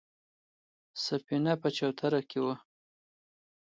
سفينه په چوتره کې وه.